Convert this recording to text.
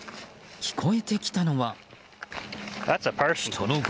聞こえてきたのは。